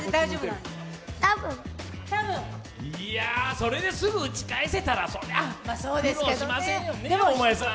それですぐ打ち返せたら苦労しませんよね、大前さん。